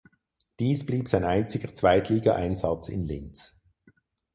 Dies blieb sein einziger Zweitligaeinsatz in Linz.